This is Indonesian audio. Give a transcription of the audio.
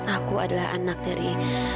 aku adalah anak dari